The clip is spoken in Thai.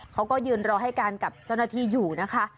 เขาก็ยืนรอให้การกับเจ้าหน้าที่อยู่นะคะ